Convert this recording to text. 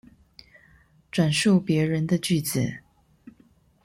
轉述別人的句子